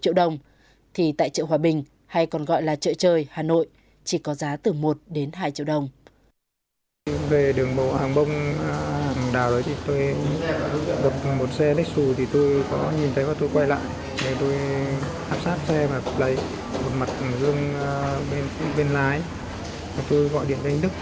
trong khi giả bán chính hãng của nguyễn mạnh đức